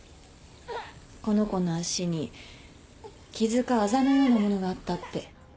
この子の脚に傷かあざのようなものがあったって。